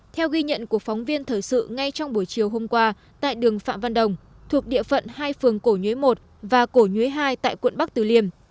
theo ghi nhận của phóng viên thời sự ngay trong buổi chiều hôm qua tại đường phạm văn đồng thuộc địa phận hai phường cổ nhuế một và cổ nhuế hai tại quận bắc từ liêm